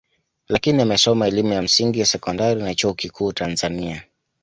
Lakini amesoma elimu ya msingi sekondari na chuo kikuu Tanzania